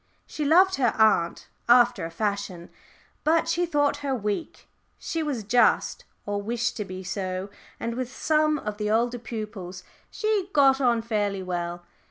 She loved her aunt after a fashion, but she thought her weak. She was just, or wished to be so, and with some of the older pupils she got on fairly well.